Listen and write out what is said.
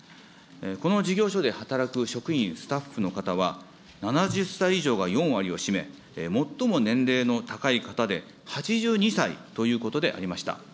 この事業所で働く職員、スタッフの方は７０歳以上が４割を占め、最も年齢の高い方で８２歳ということでありました。